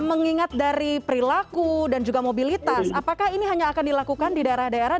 mengingat dari perilaku dan juga mobilitas apakah ini hanya akan dilakukan di daerah daerah